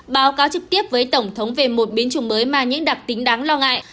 báo cáo trực tiếp với tổng thống về một biến chủng mới mà những đặc tính đáng lo ngại